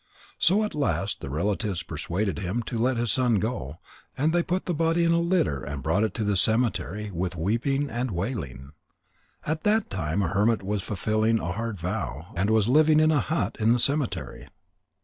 So at last the relatives persuaded him to let his son go, and they put the body in a litter and brought it to the cemetery with weeping and wailing. At that time a hermit was fulfilling a hard vow, and was living in a hut in the cemetery.